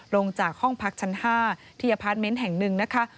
ลงจากห้องพักชั้น๕ที่อาพารม์เม้นท์แห่ง๑นะคะ